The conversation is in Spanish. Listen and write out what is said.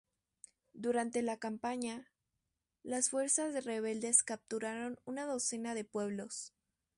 Durante la campaña, las fuerzas rebeldes capturaron una docena de pueblos.